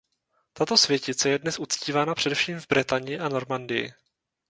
Tato světice je dnes uctívána především v Bretani a Normandii.